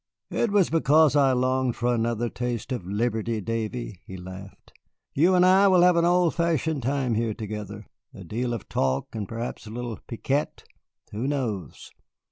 "It was because I longed for another taste of liberty, Davy," he laughed. "You and I will have an old fashioned time here together, a deal of talk, and perhaps a little piquet, who knows?"